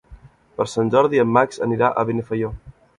Per Sant Jordi en Max anirà a Benifaió.